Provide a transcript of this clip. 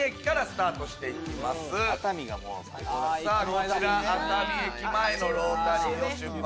こちら熱海駅前のロータリーを出発。